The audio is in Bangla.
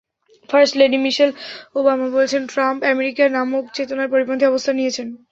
ফার্স্ট লেডি মিশেল ওবামা বলেছেন, ট্রাম্প আমেরিকা নামক চেতনার পরিপন্থী অবস্থান নিয়েছেন।